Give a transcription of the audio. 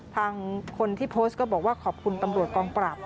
ทางคนที่โพสต์ก็บอกว่าขอบคุณตำรวจกองปราบ